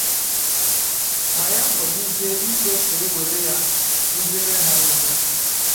ma ya fọdụzie ikwe ka e were ya kụziere ha ihe.